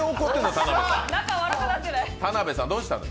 田辺さん、どうしたの？